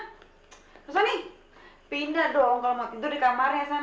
kalau mau tidur di kamarnya sana